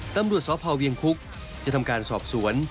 ตำรวจสพเวียงคุกจะทำการสอบสวน